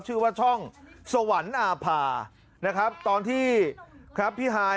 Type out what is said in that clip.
ชื่อว่าช่องสวรรค์อาภาพที่ครับพี่ฮาย